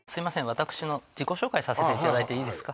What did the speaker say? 私の自己紹介させていただいていいですか？